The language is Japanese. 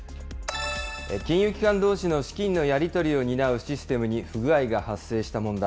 金融機関どうしの資金のやり取りを担うシステムに不具合が発生した問題。